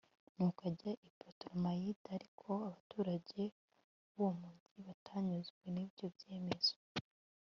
nuko ajya i putolemayida, ariko abaturage b'uwo mugi batanyuzwe n'ibyo byemezo